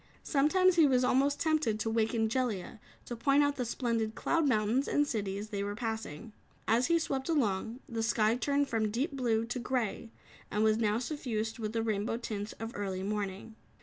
Sometimes he was almost tempted to waken Jellia to point out the splendid cloud mountains and cities they were passing. As he swept along, the sky turned from deep blue to grey and was now suffused with the rainbow tints of early morning.